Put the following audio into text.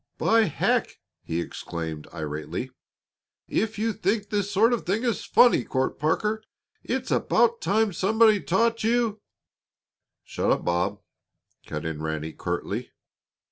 "By heck!" he exclaimed irately. "If you think this sort of thing is funny, Court Parker, it's about time somebody taught you " "Shut up, Bob!" cut in Ranny, curtly.